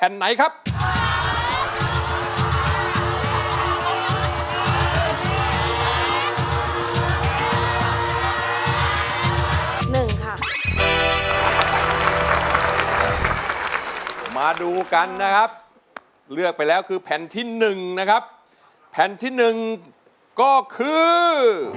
มาดูกันนะครับเลือกไปแล้วคือแผ่นที่๑นะครับแผ่นที่๑ก็คือ